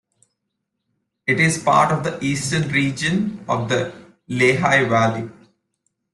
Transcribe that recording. It is part of the eastern region of the Lehigh Valley.